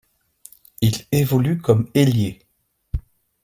Il évolue comme ailier.